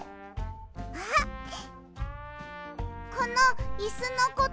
あっこのイスのこと？